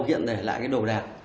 hiện để lại cái đồ đạc